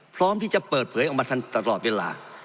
พร้อมที่จะเปิดเผยออกมาทันตลอดเวลา